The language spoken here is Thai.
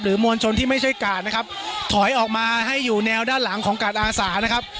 มวลชนที่ไม่ใช่กาดนะครับถอยออกมาให้อยู่แนวด้านหลังของกาดอาสานะครับ